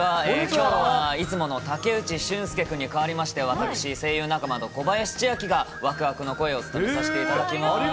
きょうは、いつもの武内駿輔君に代わりまして、私、声優仲間の小林千晃がわくわくの声を務めさせていただきます。